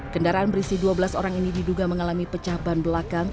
kendaraan berisi dua belas orang ini diduga mengalami pecah ban belakang